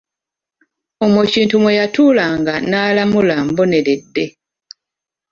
Omwo kintu mwe yatuulanga n’alamula mboneredde.